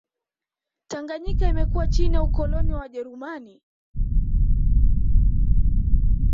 Tanganyika imekuwa chini ya ukoloni wa wajerumani